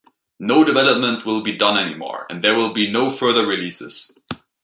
No development will be done anymore, and there will be no further releases.